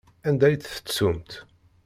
Anda i tt-tettumt?